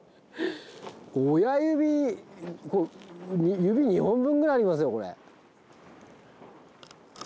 親指指２本分くらいありますよこれ。